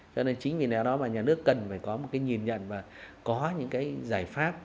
cho nên chính vì lẽ đó mà nhà nước cần phải có một cái nhìn nhận và có những cái giải pháp